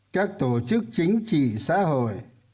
các tổ chức chính trị xã hội